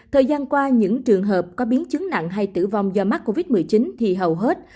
thời gian qua những trường hợp có biến chứng nặng hay tử vong do mắc covid một mươi chín thì hầu hết